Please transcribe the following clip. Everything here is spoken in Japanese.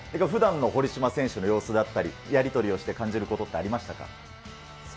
ふだんの堀島選手の様子だったり、やり取りをして感じることってありましたか。